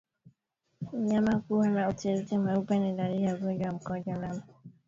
Mnyama kuwa na uteute mweupe ni dalili ya ugonjwa wa mkojo damu